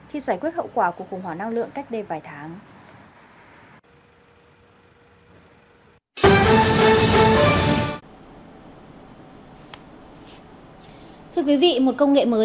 khi giải quyết hậu quả của khủng hoảng năng lượng cách đây vài tháng